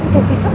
bang sesuai bang